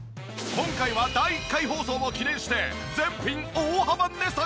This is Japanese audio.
今回は第１回放送を記念して全品大幅値下げ！